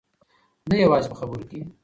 نه یوازې په خبرو کې.